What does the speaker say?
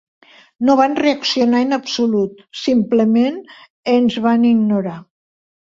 No van reaccionar en absolut; simplement, ens van ignorar.